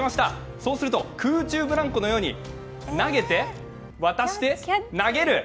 そうすると空中ブランコのように投げて渡して投げる。